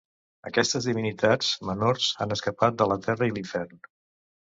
Aquestes divinitats menors han escapat de la terra i l'infern.